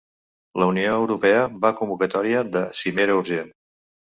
La Unió Europea va convocatòria de cimera urgent.